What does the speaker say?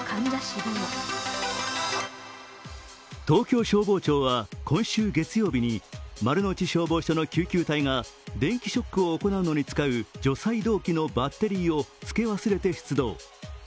東京消防庁は今週月曜日に丸の内消防署の救急隊が電気ショックを行うのに使う除細動器のバッテリーをつけ忘れて出動。